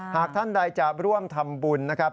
หากท่านใดจะร่วมทำบุญนะครับ